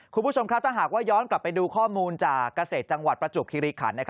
คุณผู้ชมครับถ้าหากว่าย้อนกลับไปดูข้อมูลจากเกษตรจังหวัดประจวบคิริขัน